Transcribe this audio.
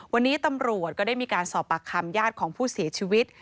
วันนี้ตำรวจก็ได้มีการสอบปากคำญาติของผู้เสียชีวิต